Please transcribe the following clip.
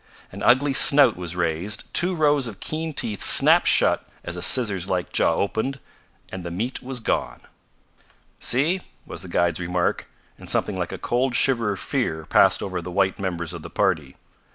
An ugly snout was raised, two rows of keen teeth snapped shut as a scissors like jaw opened, and the meat was gone. "See!" was the guide's remark, and something like a cold shiver of fear passed over the white members of the party.